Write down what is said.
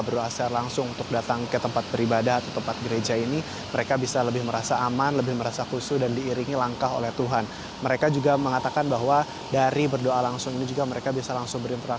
dan saat ini kita akan mencoba untuk mencoba